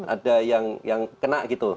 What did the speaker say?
ada yang kena gitu